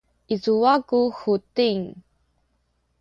i cuwa ku Huting?